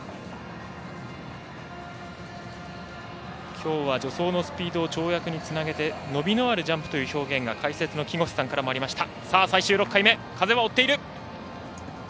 きょうは助走のスピードを跳躍につなげて伸びのあるジャンプという表現が解説の木越さんからもありました。